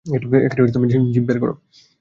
Jeep বের কর।